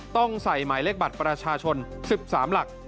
ต้องใส่หมายเลขบัตรประชาชน๑๓หลัก